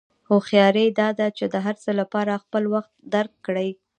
هوښیاري دا ده چې د هر څه لپاره خپل وخت درک کړې.